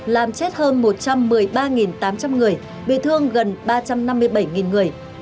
làm chết hơn một trăm một mươi ba tám trăm linh người bị thương gần ba trăm năm mươi bảy người